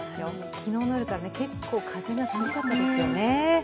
昨日の夜から結構風が強かったですよね。